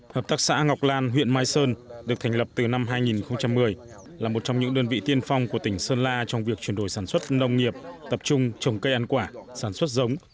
hợp tác xã ngọc lan huyện mai sơn được thành lập từ năm hai nghìn một mươi là một trong những đơn vị tiên phong của tỉnh sơn la trong việc chuyển đổi sản xuất nông nghiệp tập trung trồng cây ăn quả sản xuất giống